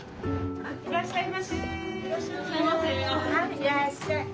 いらっしゃいませ。